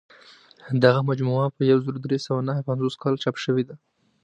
دغه مجموعه په یو زر درې سوه نهه پنځوس کال چاپ شوې ده.